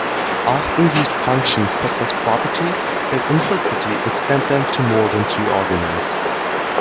Often these functions possess properties that implicitly extend them to more than two arguments.